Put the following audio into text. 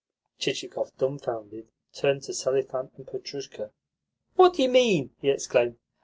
Chichikov, dumbfounded, turned to Selifan and Petrushka. "What do you mean?" he exclaimed.